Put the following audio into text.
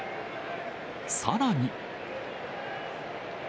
さらに。